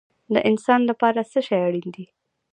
د انسان لپاره څه شی اړین دی؟